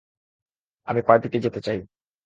আমি পার্টিতে যেতে চাই!